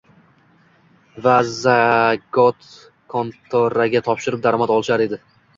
va «zagotkontora»ga topshirib, daromad olishar edi.